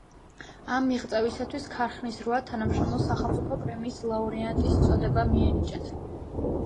ამ მიღწევისათვის ქარხნის რვა თანამშრომელს სახელმწიფო პრემიის ლაურეატის წოდება მიენიჭათ.